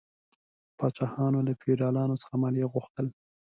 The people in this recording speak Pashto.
پاچاهانو له فیوډالانو څخه مالیه غوښتل.